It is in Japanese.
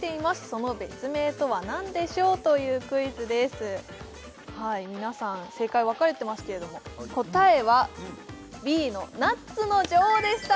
その別名とは何でしょう？というクイズです皆さん正解分かれていますけれども答えはＢのナッツの女王でした